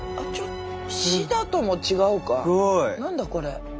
何だこれ？